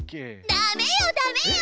ダメよダメよ！